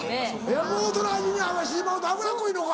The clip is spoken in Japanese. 山本の味に合わしてしまうと脂っこいのか。